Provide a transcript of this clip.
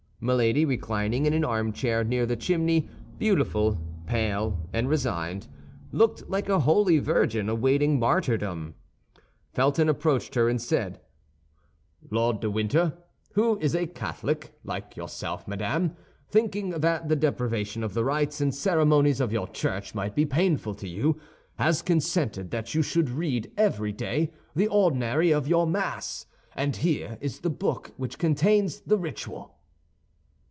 Milady, reclining in an armchair near the chimney, beautiful, pale, and resigned, looked like a holy virgin awaiting martyrdom. Felton approached her, and said, "Lord de Winter, who is a Catholic, like yourself, madame, thinking that the deprivation of the rites and ceremonies of your church might be painful to you, has consented that you should read every day the ordinary of your Mass; and here is a book which contains the ritual."